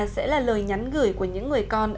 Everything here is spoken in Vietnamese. sẽ là lời nhắn gửi của những người con